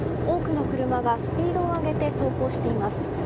多くの車がスピードを上げて走行しています。